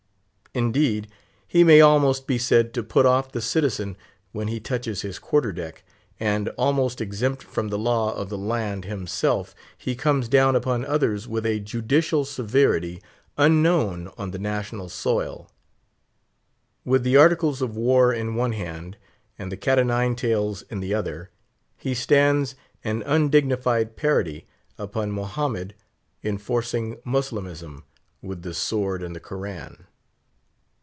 _ Indeed, he may almost be said to put off the citizen when he touches his quarter deck; and, almost exempt from the law of the land himself, he comes down upon others with a judicial severity unknown on the national soil. With the Articles of War in one hand, and the cat o' nine tails in the other, he stands an undignified parody upon Mohammed enforcing Moslemism with the sword and the Koran.